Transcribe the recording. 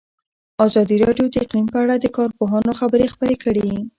ازادي راډیو د اقلیم په اړه د کارپوهانو خبرې خپرې کړي.